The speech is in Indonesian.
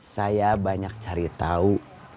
saya banyak cari tahu